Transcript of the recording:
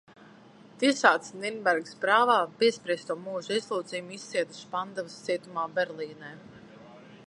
Tiesāts Nirnbergas prāvā, piespriesto mūža ieslodzījumu izcieta Špandavas cietumā Berlīnē.